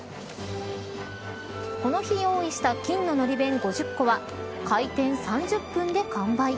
この日、用意した金の海苔弁５０個は開店３０分で完売。